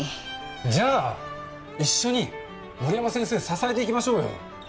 じゃあ一緒に森山先生支えていきましょうよ。